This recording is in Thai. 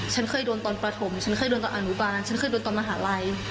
ฉันเคยโดนตอนประถมฉันเคยโดนตอนอนุบาลฉันเคยโดนตอนมหาลัย